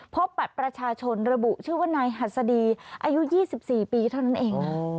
พบบัตรประชาชนระบุชื่อว่านายหัสดีอายุ๒๔ปีเท่านั้นเองนะ